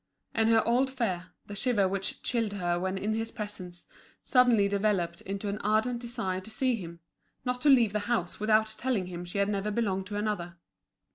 And her old fear, the shiver which chilled her when in his presence, suddenly developed into an ardent desire to see him, not to leave the house without telling him she had never belonged to another.